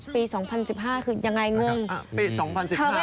อ่าปี๒๐๑๕แล้วเนี่ย